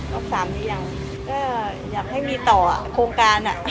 รอบ๓นี้ยังก็อยากให้มีต่อโครงการอ่ะ